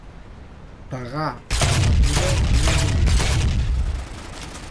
Pagar la beguda d'uns amics.